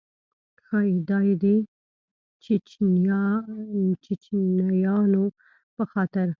ښایي دا یې د چیچنیایانو په خاطر.